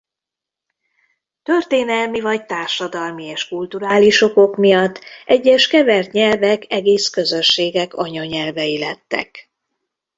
Történelmi vagy társadalmi és kulturális okok miatt egyes kevert nyelvek egész közösségek anyanyelvei lettek.